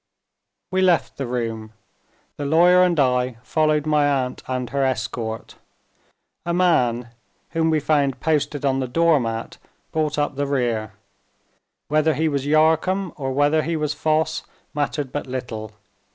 We left the room. The lawyer and I followed my aunt and her escort. A man, whom we found posted on the door mat, brought up the rear. Whether he was Yarcombe or whether he was Foss, mattered but little.